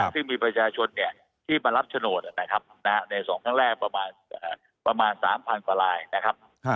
ซึ่งมีประชาชนที่มารับโฉนดนะครับใน๒ครั้งแรกประมาณ๓๐๐กว่าลายนะครับ